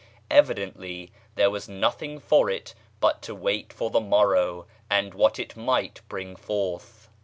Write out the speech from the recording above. Evidently there was nothing for it but to wait for the morrow and what it might bring forth.